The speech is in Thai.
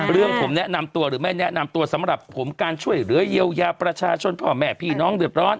เรื่องผมแนะนำตัวหรือไม่แนะนำตัวสำหรับผมการช่วยเหลือเยียวยาประชาชนพ่อแม่พี่น้องเดือดร้อน